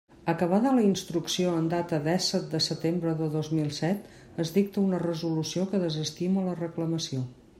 Acabada la instrucció, en data dèsset de setembre de dos mil set es dicta una resolució que desestima la reclamació.